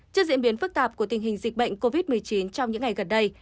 trước diễn biến phức tạp của tình hình dịch bệnh covid một mươi chín trong những ngày gần đây